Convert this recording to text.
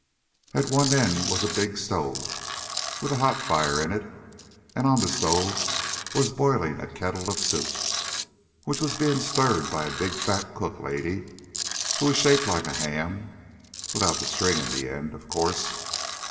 At one end was a big stove, with a hot fire in it, and on the stove was a boiling kettle of soup, which was being stirred by a big fat cook lady, who was shaped like a ham, without the string in the end, of course.